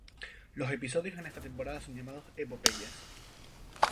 Los episodios en esta temporada son llamados "Epopeyas".